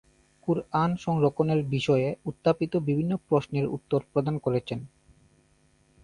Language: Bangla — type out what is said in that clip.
কুরআন সংরক্ষণের বিষয়ে উত্থাপিত বিভিন্ন প্রশ্নের উত্তর প্রদান করেছেন।